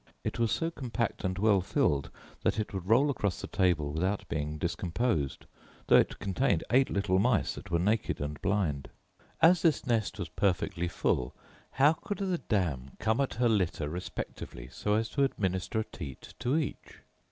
It was so compact and well filled, that it would roll across the table without being discomposed, though it contained eight little mice that were naked and blind. As this nest was perfectly full, how could the dam come at her litter respectively so as to administer a teat to each?